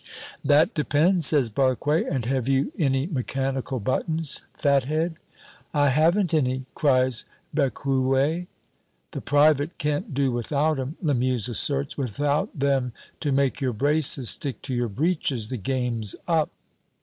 "That depends," says Barque. "And have you any mechanical buttons, fathead?" "I haven't any," cries Becuwe. "The private can't do without 'em," Lamuse asserts. "Without them, to make your braces stick to your breeches, the game's up."